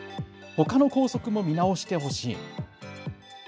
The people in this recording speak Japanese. ほかの校則も見直してほしい。